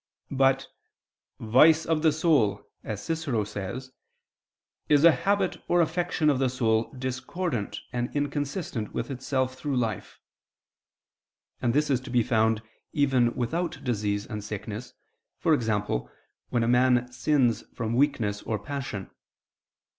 But "vice of the soul," as Cicero says (De Quaest. Tusc. iv), "is a habit or affection of the soul discordant and inconsistent with itself through life": and this is to be found even without disease and sickness, e.g. when a man sins from weakness or passion.